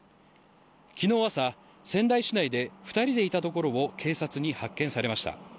昨日朝、仙台市内で２人でいたところを警察に発見されました。